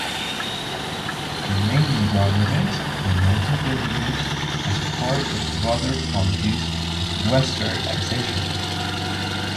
The Meiji government promoted their use as part of broader policies of Westernization.